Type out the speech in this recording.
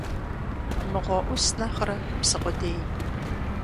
Мыгъуэ Ӏус нэхърэ псы къудей.